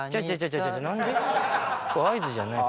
ああ合図じゃない。